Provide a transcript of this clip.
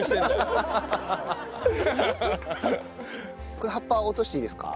これ葉っぱ落としていいですか？